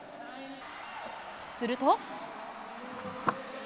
すると。